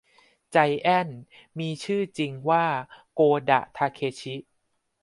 ไจแอนท์มีชื่อจริงว่าโกดะ ทาเคชิ